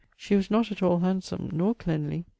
She was not at all handsome, nor cleanly.